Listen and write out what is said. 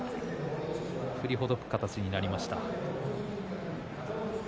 振りほどく形になりました。